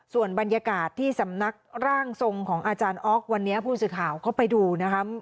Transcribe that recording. ส่วนบรรยากาศที่สำนักร่างทรงของอาจารย์อ๊อกวันนี้ผู้สื่อข่าวก็ไปดูนะครับ